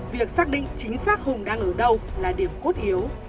việc xác định chính xác hùng đang ở đâu là điểm cốt yếu